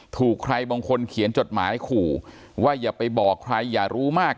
ถูกใครบางคนเขียนจดหมายขู่ว่าอย่าไปบอกใครอย่ารู้มาก